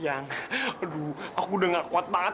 ayang aduh aku udah nggak kuat banget